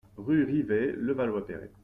Rue Rivay, Levallois-Perret